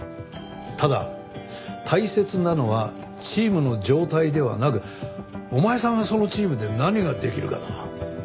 ただ大切なのはチームの状態ではなくお前さんがそのチームで何ができるかだ。